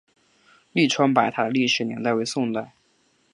栗川白塔的历史年代为宋代。